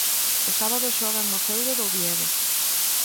O sábado xogan no feudo do Oviedo.